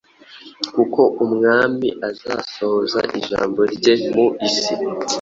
kuko Umwami azasohoza ijambo rye mu isi,